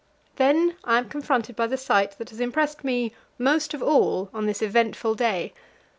Then I am confronted by the sight that has impressed me most of all on this eventful day.